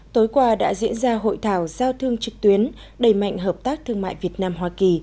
tối qua đã diễn ra hội thảo giao thương trực tuyến đầy mạnh hợp tác thương mại việt nam hoa kỳ